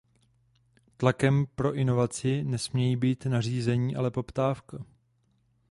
Tlakem pro inovaci nesmějí být nařízení, ale poptávka.